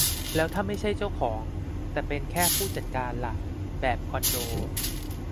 แล้วถ้าไม่ใช่เจ้าของ แต่เป็นแค่ผู้จัดการล่ะ ? แบบคอนโด